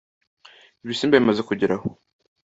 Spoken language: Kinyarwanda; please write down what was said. ibisimba bimaze kugera aho